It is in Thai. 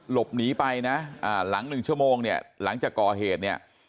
หลบหนีไปนะหลังหนึ่งชั่วโมงเนี่ยหลังจากก่อเหตุเนี่ย